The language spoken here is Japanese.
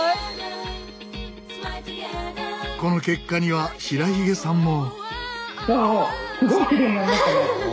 この結果には白髭さんも。